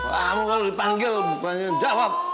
kamu kalau dipanggil bukannya jawab